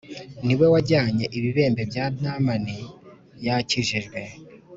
Ni we wajyanye ibibembe Bya Namani yakijijwe.